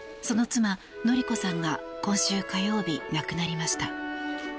その妻・典子さんが今週火曜日、亡くなりました。